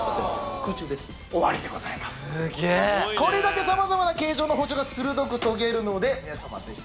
これだけさまざまな形状の包丁が鋭く研げるので。